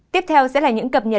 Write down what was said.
tiếp theo sẽ là những cập nhật thực